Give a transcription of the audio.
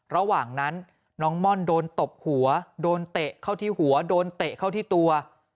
ระหว่างนั้นน้องม่อนโดนตบหัวโดนเตะเข้าที่หัวโดนเตะเข้าที่ตัว